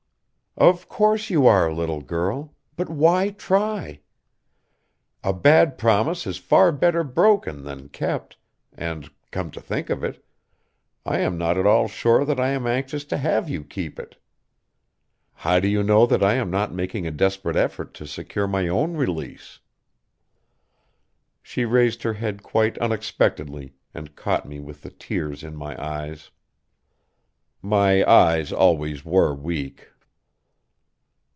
"Of course you are, little girl, but why try? A bad promise is far better broken than kept, and, come to think of it, I am not at all sure that I am anxious to have you keep it. How do you know that I am not making a desperate effort to secure my own release?" She raised her head quite unexpectedly and caught me with the tears in my eyes. My eyes always were weak.